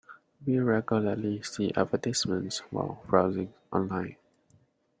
We regularly see advertisements while browsing online.